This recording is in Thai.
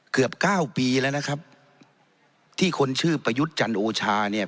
เกือบเก้าปีแล้วนะครับที่คนชื่อประยุทธ์จันโอชาเนี่ย